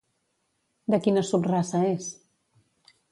De quina subraça és?